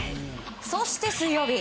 そして水曜日。